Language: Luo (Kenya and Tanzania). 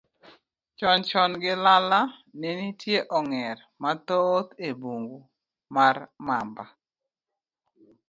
Chon chon gilala, ne nitie ong'er mathoth e bungu mar Mamba.